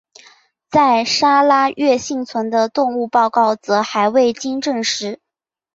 在砂拉越幸存的动物报告则还未经证实。